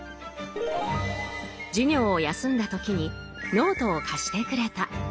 授業を休んだ時にノートを貸してくれた。